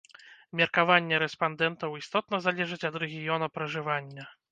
Меркаванне рэспандэнтаў істотна залежыць ад рэгіёна пражывання.